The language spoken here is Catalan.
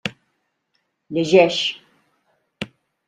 Llegeix.